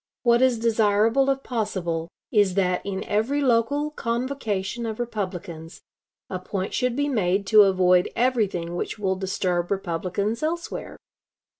What is desirable, if possible, is that in every local convocation of Republicans a point should be made to avoid everything which will disturb Republicans elsewhere.